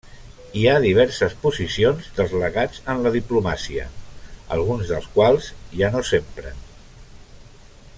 Hi ha diverses posicions dels legats en la diplomàcia, alguns dels quals ja no s'empren.